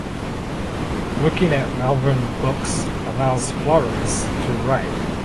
Working at Malvern Books allows Flores to write.